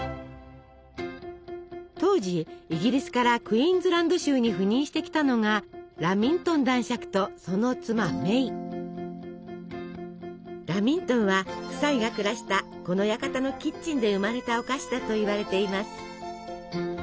当時イギリスからクイーンズランド州に赴任してきたのがラミントンは夫妻が暮らしたこの館のキッチンで生まれたお菓子だといわれています。